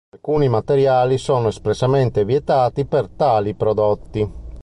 Alcuni materiali sono espressamente vietati per tali prodotti.